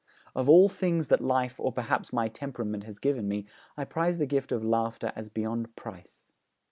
Of all things that life or perhaps my temperament has given me I prize the gift of laughter as beyond price.'